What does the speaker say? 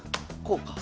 こうか！